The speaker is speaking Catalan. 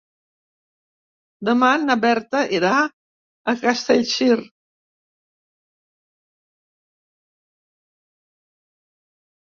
Demà na Berta irà a Castellcir.